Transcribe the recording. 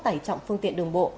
tải trọng phương tiện đường bộ